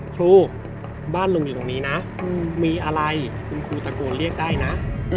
ครูบ้านลุงอยู่ตรงนี้นะมีอะไรคุณครูตะโกนเรียกได้นะ